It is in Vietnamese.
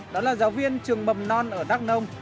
đó là giáo viên trường mầm non ở đắk nông